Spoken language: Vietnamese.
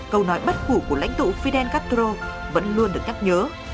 câu nói bất khủ của lãnh tụ fidel castro vẫn luôn được nhắc nhớ